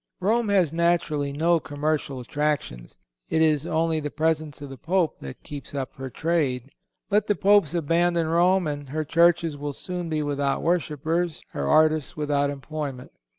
Rome has naturally no commercial attractions. It is only the presence of the Pope that keeps up her trade. Let the Popes abandon Rome, and her churches will soon be without worshipers; her artists without employment.